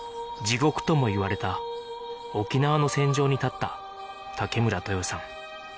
地獄ともいわれた沖縄の戦場に立った武村豊さん